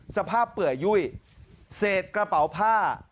สภาพเปื่อยุ้ยเสษกระเป๋าผ้า